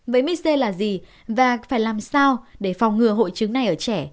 với mis c là gì và phải làm sao để phòng ngừa hội chứng này ở trẻ